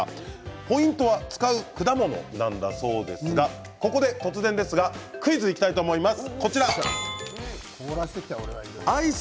ポイントは使う果物なんだそうですがここで突然ですがクイズいきたいと思います。